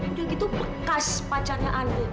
udah gitu bekas pacarnya aneh